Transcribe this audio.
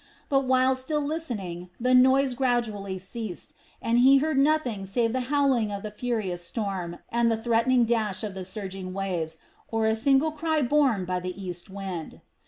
But while still listening, the noise gradually ceased, and he heard nothing save the howling of the furious storm and the threatening dash of the surging waves, or a single cry borne by the east wind.